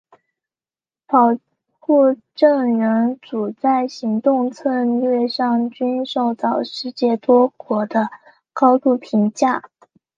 保护证人组在行动策略上均受到世界多国的高度评价。